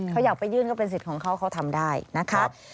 เขาอยากไปยื่นก็เป็นสิทธิ์ของเขาเขาทำได้นะคะ